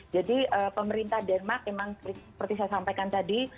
jadi pemerintah denmark memang seperti saya sampaikan tadi